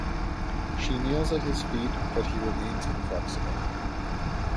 She kneels at his feet but he remains inflexible.